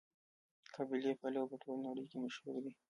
قابلي پلو په ټوله نړۍ کې مشهور دی.